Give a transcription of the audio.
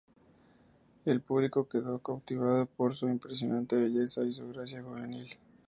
El público quedó cautivado por su impresionante belleza y su gracia juvenil.